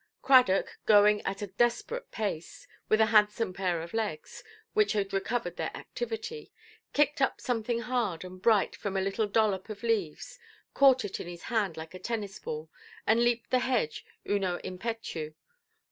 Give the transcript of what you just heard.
Cradock, going at a desperate pace, with a handsome pair of legs, which had recovered their activity, kicked up something hard and bright from a little dollop of leaves, caught it in his hand like a tennis–ball, and leaped the hedge uno impetu.